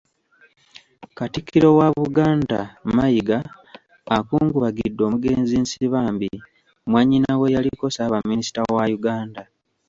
Katikkiro wa Buganda, Mayiga, akungubagidde omugenzi Nsibambi, mwannyina w'eyaliko Ssaabaminisita wa Uganda.